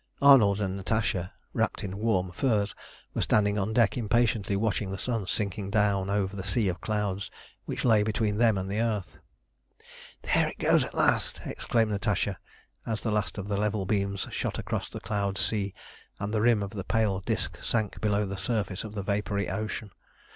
Arnold and Natasha, wrapped in warm furs, were standing on deck impatiently watching the sun sinking down over the sea of clouds which lay between them and the earth. "There it goes at last!" exclaimed Natasha, as the last of the level beams shot across the cloud sea and the rim of the pale disc sank below the surface of the vapoury ocean.